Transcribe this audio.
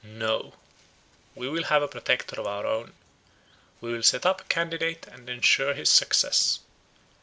No, we will have a Protector of our own. We will set up a candidate, and ensure his success.